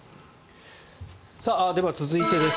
では続いてです。